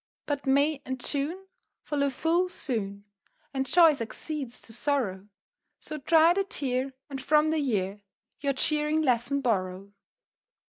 _"] But May and June Follow full soon, And joy succeeds to sorrow; So dry the tear, And from the year Your cheering lesson borrow.